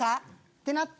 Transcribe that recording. ってなって。